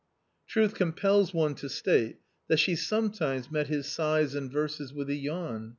Truth compels one to state that she sometimes met his sighs and verses with a yawn.